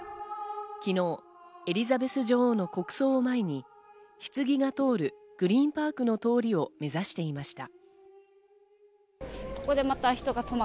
昨日、エリザベス女王の国葬を前にひつぎが通るグリーン・パークの通りを目指していました。